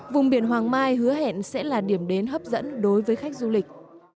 vùng biển hoàng mai hứa hẹn sẽ là điểm đến hấp dẫn đối với khách du lịch